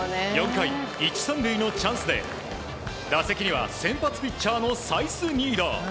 ４回、１、３塁のチャンスで打席には先発ピッチャーのサイスニード。